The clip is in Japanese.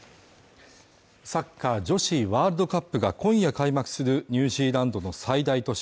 サッカー女子ワールドカップが今夜開幕するニュージーランドの最大都市